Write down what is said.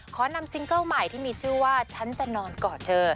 ขอนำซิงเกิ้ลใหม่ที่มีชื่อว่าฉันจะนอนกอดเธอ